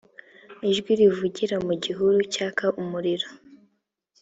ijwi rivugira mu gihuru cyaka umuriro